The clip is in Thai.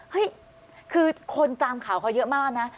เฮ้ยคือคนตามข่าวเขาเยอะมากนะ